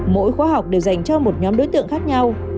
mỗi khóa học đều dành cho một nhóm đối tượng khác nhau